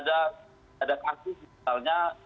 ada kasus misalnya